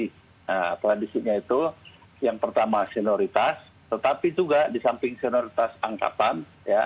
nah tradisinya itu yang pertama senioritas tetapi juga di samping senioritas angkatan